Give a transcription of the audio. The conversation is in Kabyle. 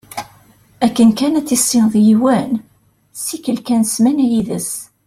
Akken ad tissineḍ yiwen, ssikel kan ssmana yid-s.